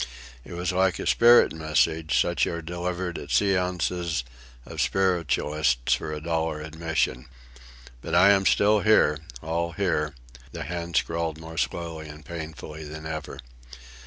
It was like a "spirit message," such as are delivered at séances of spiritualists for a dollar admission. "But I am still here, all here," the hand scrawled more slowly and painfully than ever.